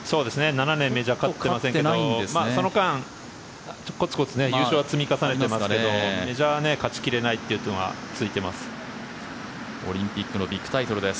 ７年メジャーで勝ってませんがその間コツコツ優勝は積み重ねてますけどメジャーは勝ち切れないというのがついています。